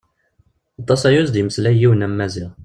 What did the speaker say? Aṭas aya ur as-d-yemmeslay yiwen am Maziɣ.